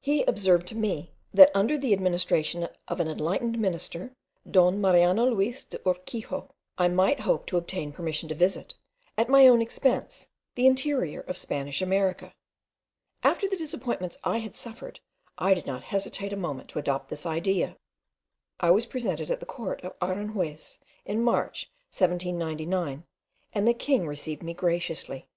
He observed to me, that under the administration of an enlightened minister, Don Mariano Luis de Urquijo, I might hope to obtain permission to visit, at my own expense, the interior of Spanish America. After the disappointments I had suffered, I did not hesitate a moment to adopt this idea. I was presented at the court of Aranjuez in March 1799 and the king received me graciously.